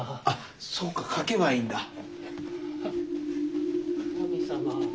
あっそうか書けばいいんだ。